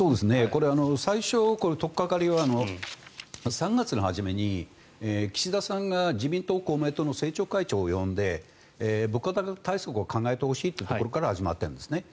これ、最初の取っかかりは３月の初めに岸田さんが自民党、公明党の政調会長を呼んで物価高対策を考えてほしいというところから始まっているんですね。